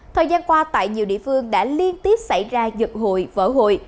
thời gian qua tại nhiều địa phương đã liên tiếp xảy ra giật hụi vỡ hụi